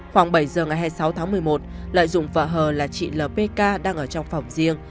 khoảng bảy h ngày hai mươi sáu tháng một mươi một lợi dụng vợ hờ là chị l p k đang ở trong phòng riêng